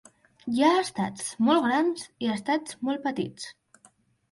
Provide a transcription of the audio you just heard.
Hi ha estats molt grans i estats molt petits.